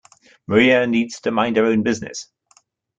Maria needs to mind her own business.